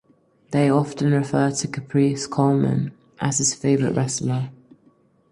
They often refer to Caprice Coleman as his favorite wrestler.